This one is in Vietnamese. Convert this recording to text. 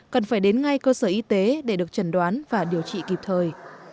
cần phải đến ngay cơ sở y tế để được trần đoán và điều trị kịp thời